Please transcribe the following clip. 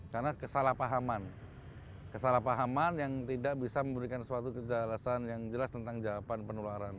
karena kesalahpahaman kesalahpahaman yang tidak bisa memberikan suatu kejelasan yang jelas tentang jawaban penularan